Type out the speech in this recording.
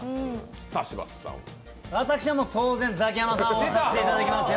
私は当然、ザキヤマさんを応援させていただきますよ。